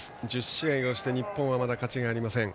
１０試合をして日本はまだ勝ちがありません。